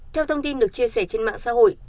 theo thông tin được chia sẻ trên mạng xã hội